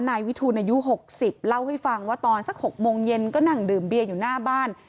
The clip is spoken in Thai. นายวิทูลอายุ๖๐เล่าให้ฟังว่าตอนสัก๖โมงเย็นก็นั่งดื่มเบียร์อยู่หน้าบ้าน